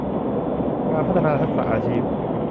การพัฒนาทักษะอาชีพ